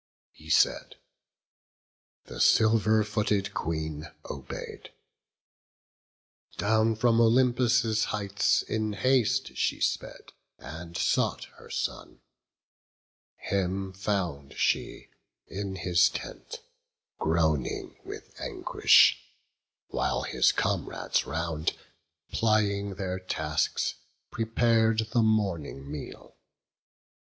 He said; the silver footed Queen obey'd; Down from Olympus' heights in haste she sped, And sought her son; him found she in his tent, Groaning with anguish, while his comrades round, Plying their tasks, prepar'd the morning meal.